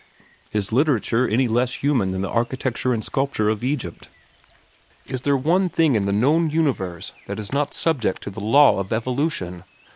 Is literature less human than the architecture and sculpture of Egypt? Is there one thing in the known universe that is not subject to the law of evolution?